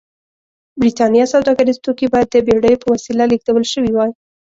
برېټانیا سوداګریز توکي باید د بېړیو په وسیله لېږدول شوي وای.